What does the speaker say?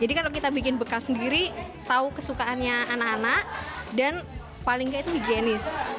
jadi kalau kita bikin bekal sendiri tahu kesukaannya anak anak dan paling tidak itu higienis